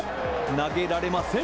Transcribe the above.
投げられません。